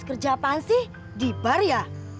kerja apaan sih di bar ya